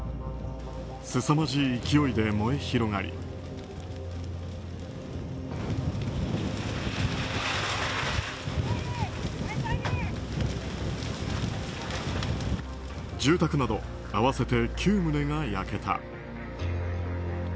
すさまじい勢いで燃え広がり住宅など合わせて９棟が焼けた。